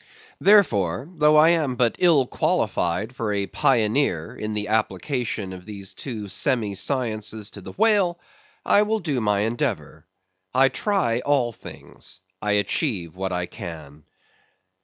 Therefore, though I am but ill qualified for a pioneer, in the application of these two semi sciences to the whale, I will do my endeavor. I try all things; I achieve what I can.